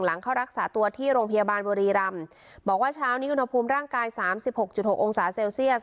หลังเขารักษาตัวที่โรงพยาบาลบุรีรำบอกว่าเช้านี้อุณหภูมิร่างกาย๓๖๖องศาเซลเซียส